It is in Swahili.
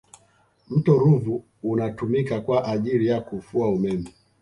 mto ruvu unatumika kwa ajili ya kufua umeme